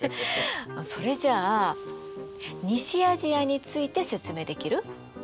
それじゃあ西アジアについて説明できる？